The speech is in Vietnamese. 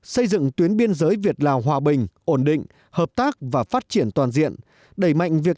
xây dựng tuyến biên giới việt lào hòa bình ổn định hợp tác và phát triển toàn diện đẩy mạnh việc